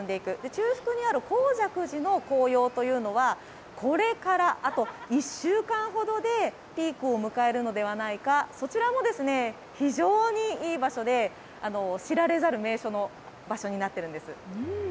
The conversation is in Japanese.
中腹なる香積寺の紅葉というのはこれからあと１週間ほどでピークを迎えるのではないかそちらも非常にいい場所で知られざる名所の場所になっているんです。